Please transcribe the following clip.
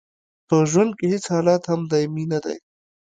په ژوند کې هیڅ حالت هم دایمي نه دی.